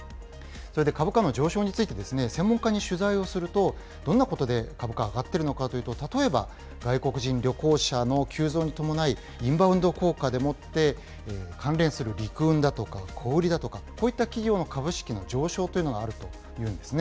株価の上昇について専門家に取材をすると、どんなことで株価上がっているのかというと、例えば外国人旅行者の急増に伴い、インバウンド効果でもって関連する陸運だとか小売りだとか、こういった企業の株式の上昇というのがあるというんですね。